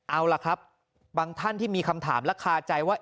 เอาล่ะครับบางท่านที่มีคำถามและคาใจว่า